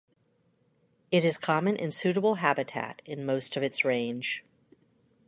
It is common in suitable habitat in most of its range.